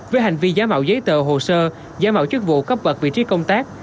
với hành vi giả mạo giấy tờ hồ sơ giả mạo chức vụ cấp bật vị trí công tác